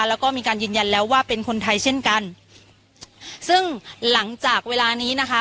แล้วก็มีการยืนยันแล้วว่าเป็นคนไทยเช่นกันซึ่งหลังจากเวลานี้นะคะ